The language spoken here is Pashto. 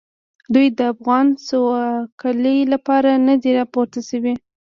دوی د افغان سوکالۍ لپاره نه دي راپورته شوي.